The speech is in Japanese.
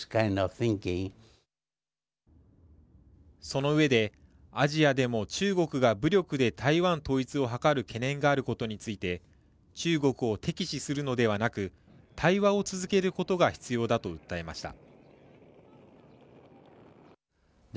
その上で、アジアでも中国が武力で台湾統一を図る懸念があることについて中国を敵視するのではなく対話を続けることが必要だと訴えました。